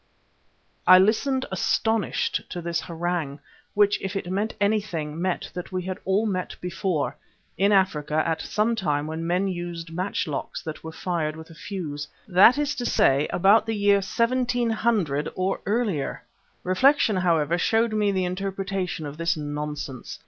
I listened astonished to this harangue, which if it meant anything, meant that we had all met before, in Africa at some time when men used matchlocks that were fired with a fuse that is to say, about the year 1700, or earlier. Reflection, however, showed me the interpretation of this nonsense.